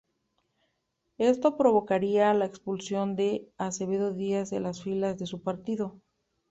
Esto provocaría la expulsión de Acevedo Díaz de las filas de su partido.